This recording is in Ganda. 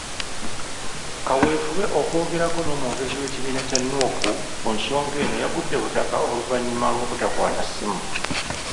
Kaweefube okwogerako n'Omwogezi w'ekibiina kya Nuupu, ku nsonga eno, yagudde butaka oluvannyuma lw'obutakwata ssimu.